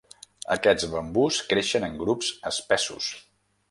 Aquests bambús creixen en grups espessos.